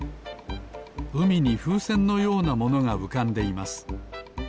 うみにふうせんのようなものがうかんでいます。